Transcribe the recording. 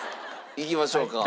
いきましょうか。